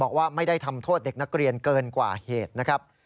บอกว่าไม่ได้ทำโทษเด็กนักเรียนเกินกว่าเหตุนะครับ